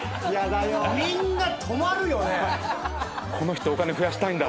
みんな止まるよね。